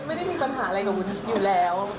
ไม่ได้มีปัญหาอะไรกับวุ้นอยู่แล้ว